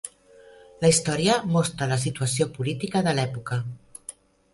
La història mostra la situació política de l'època.